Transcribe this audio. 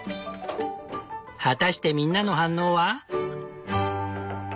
果たしてみんなの反応は？